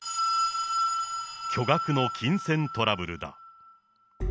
巨額の金銭トラブルだ。